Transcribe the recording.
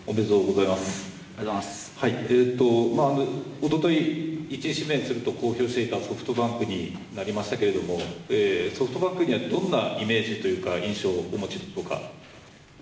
おととい、１位指名すると公表していたソフトバンクになりましたがソフトバンクにはどんなイメージ、印象をお持ちでしょうか？